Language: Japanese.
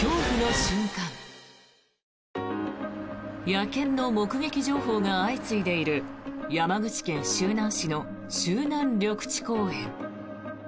野犬の目撃情報が相次いでいる山口県周南市の周南緑地公園。